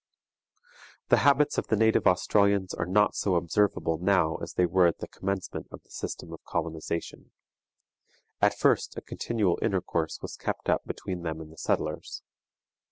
The habits of the native Australians are not so observable now as they were at the commencement of the system of colonization. At first a continual intercourse was kept up between them and the settlers.